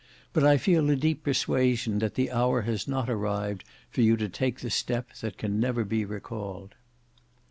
But I feel a deep persuasion that the hour has not arrived for you to take the step that never can be recalled."